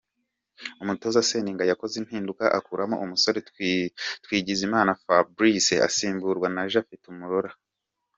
Umutoza Seninga yakoze impinduka akuramo umusore Twagizimana Fabrice asimburwa na Japhet Umurora.